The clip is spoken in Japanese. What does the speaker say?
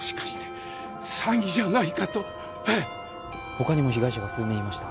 他にも被害者が数名いました。